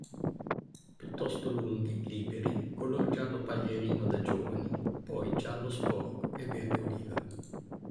Piuttosto lunghi, liberi, color giallo paglierino da giovani, poi giallo-sporco e verde oliva.